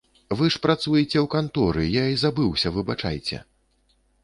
Вы ж працуеце ў канторы, я і забыўся, выбачайце.